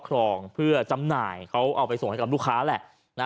เขาเอาไปส่งให้กับลูกค้าแหละ